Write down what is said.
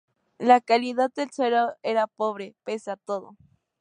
La calidad del suelo era pobre, pese a todo.